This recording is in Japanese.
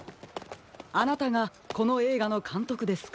あなたがこのえいがのかんとくですか？